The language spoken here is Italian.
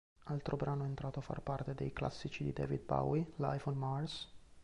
Altro brano entrato a far parte dei classici di David Bowie, "Life on Mars?